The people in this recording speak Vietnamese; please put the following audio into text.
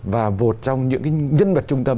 và một trong những nhân vật trung tâm